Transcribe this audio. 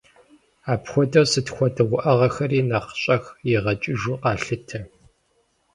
Апхуэдэу сыт хуэдэ уӏэгъэхэри нэхъ щӏэх игъэкӏыжу къалъытэ.